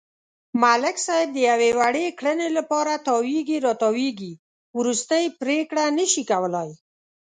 ملک صاحب د یوې وړې کړنې لپاره تاوېږي را تاووېږي، ورستۍ پرېکړه نشي کولای.